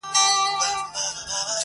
موږ ګټلی دي جنګونه تر ابده به جنګېږو -